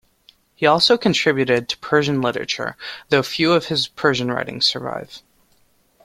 He also contributed to Persian literature, though few of his Persian writings survive.